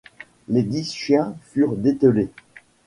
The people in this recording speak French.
Les dix chiens furent dételés.